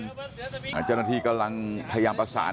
เจ้าหน้าที่กำลังพยายามประสาน